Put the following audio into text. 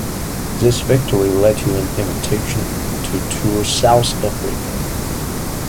This victory led to an invitation to tour South Africa.